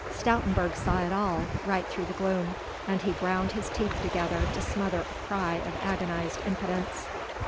Stoutenburg saw it all, right through the gloom, and he ground his teeth together to smother a cry of agonised impotence.